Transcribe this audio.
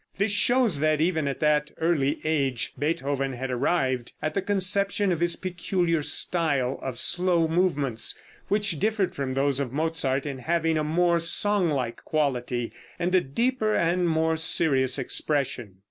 This shows that even at that early age Beethoven had arrived at the conception of his peculiar style of slow movements, which differed from those of Mozart in having a more song like quality, and a deeper and more serious expression.